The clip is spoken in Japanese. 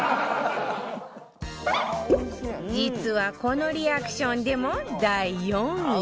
実はこのリアクションでも第４位合う！